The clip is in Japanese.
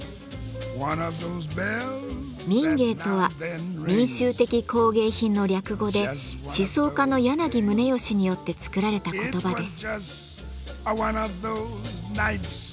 「民藝」とは「民衆的工藝品」の略語で思想家の柳宗悦によって作られた言葉です。